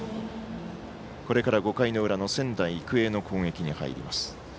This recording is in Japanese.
これから５回の裏の仙台育英の攻撃に入ります。